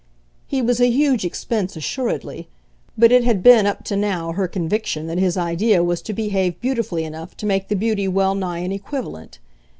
He was a huge expense assuredly but it had been up to now her conviction that his idea was to behave beautifully enough to make the beauty well nigh an equivalent.